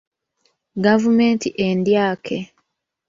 Gavumenti endyake.